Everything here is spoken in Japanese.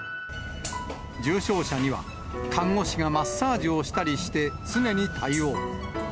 重症者には看護師がマッサージをしたりして、常に対応。